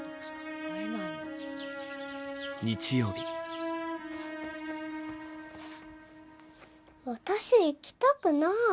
日曜日私、行きたくない！